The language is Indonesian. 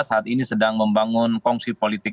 saat ini sedang membangun kongsi politik